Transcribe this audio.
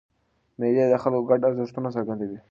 مېلې د خلکو ګډ ارزښتونه څرګندوي.